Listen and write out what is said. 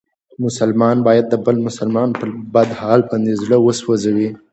مسلمان باید د بل مسلمان په بد حال باندې زړه و سوځوي.